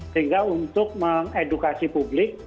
sehingga untuk mengedukasi publik